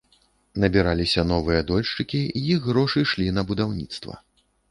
Набіраліся новыя дольшчыкі, іх грошы шлі на будаўніцтва.